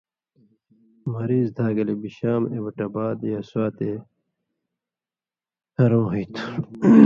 مریض دھاگلے بشام، ایبٹ آباد یا سواتے رِہرؤں ہُوئ تُھو۔